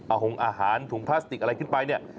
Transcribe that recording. เอาหงอาหารถุงพลาสติกอะไรขึ้นไปเนี่ย